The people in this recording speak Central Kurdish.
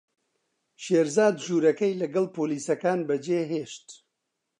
شێرزاد ژوورەکەی لەگەڵ پۆلیسەکان بەجێهێشت.